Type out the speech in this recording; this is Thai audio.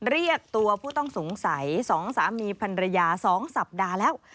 เรียกตัวผู้ต้องสงสัย๒สามีพันรยา๒สัปดาห์แล้ว